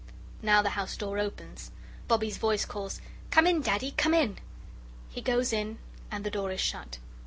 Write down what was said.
Now the house door opens. Bobbie's voice calls: "Come in, Daddy; come in!" He goes in and the door is shut.